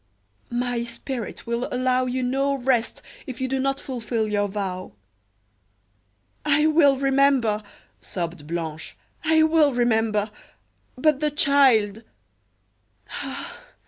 "My spirit will allow you no rest if you do not fulfil your vow." "I will remember," sobbed Blanche; "I will remember. But the child " "Ah!